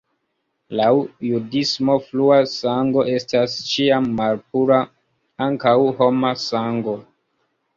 Laŭ judismo flua sango estas ĉiam malpura, ankaŭ homa sango.